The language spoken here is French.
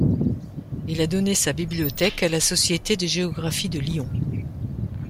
Il a donné sa bibliothèque à la Société de géographie de Lyon.